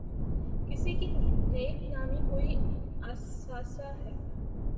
کسی کی نیک نامی کوئی اثاثہ ہے۔